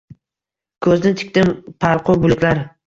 Ko’zni tikdim, parquv bulutlar